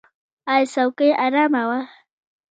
ایا څوکۍ ارامه وه؟